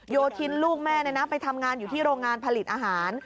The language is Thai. โยธินลูกแม่ไปทำงานอยู่ที่โรงงานผลิตอาหาร